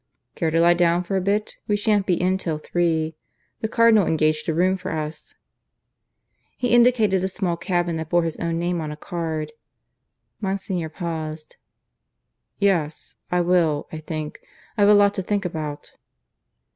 "Care to lie down for a bit? We shan't be in till three. The Cardinal engaged a room for us." He indicated a small cabin that bore his own name on a card. Monsignor paused. "Yes, I will, I think. I've a lot to think about."